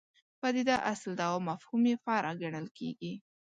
پدیده اصل ده او مفهوم یې فرع ګڼل کېږي.